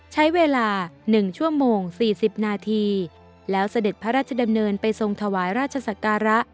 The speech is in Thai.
ใช้เวลา๑ชั่วโมง๔๐นาทีแล้วเสด็จพระราชดำเนินไปทรงถวายราชศักระ